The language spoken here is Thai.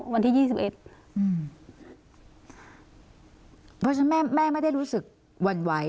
วันที่๒๑เพราะฉะนั้นแม่แม่ไม่ได้รู้สึกหวั่นไหว